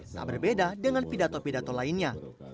tak berbeda dengan pidato pidato lainnya